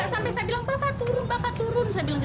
sampai saya bilang bapak turun bapak turun